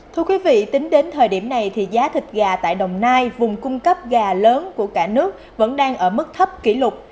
thưa quý vị tính đến thời điểm này thì giá thịt gà tại đồng nai vùng cung cấp gà lớn của cả nước vẫn đang ở mức thấp kỷ lục